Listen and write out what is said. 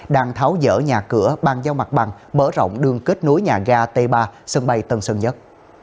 đang tháo dỡ nhà cửa bàn giao mặt bằng mở rộng đường kết nối nhà ga t ba sân bay tân sơn nhất